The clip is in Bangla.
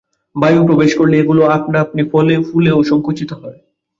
বায়ু প্রবেশ করলে এগুলো আপনা আপনি ফুলে ও সংকুচিত হয়।